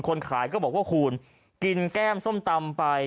คนขายก็บอกว่าคุณกินแก้มส้มตำไป